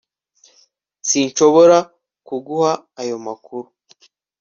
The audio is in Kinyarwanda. sinshobora kuguha ayo makuru